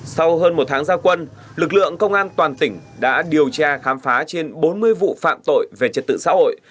sau hơn một tháng giao quân lực lượng công an toàn tỉnh đã điều tra khám phá trên bốn mươi vụ phạm tội về trật tự xã hội